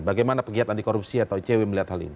bagaimana pegiat anti korupsi atau icw melihat hal ini